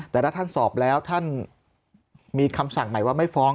แต่ถ้าท่านสอบแล้วท่านมีคำสั่งใหม่ว่าไม่ฟ้อง